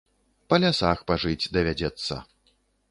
Па лясах пажыць давядзецца.